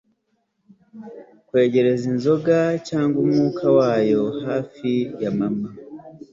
kwegereza inzoga cyangwa umwuka wayo hafi ya mama